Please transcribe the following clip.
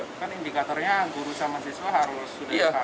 kan indikatornya guru sama siswa harus sudah diperhatikan